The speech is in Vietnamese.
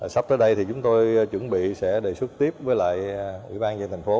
sắp tới đây thì chúng tôi chuẩn bị sẽ đề xuất tiếp với lại ủy ban dân thành phố